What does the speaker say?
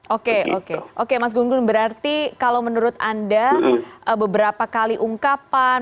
oke oke oke mas gunggun berarti kalau menurut anda beberapa kali ungkapan